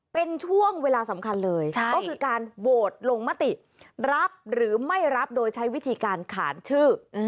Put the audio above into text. เป็นช่วงเวลาสำคัญเลยก็คือการโหวตลงมติรับหรือไม่รับโดยใช้วิธีการขานชื่อ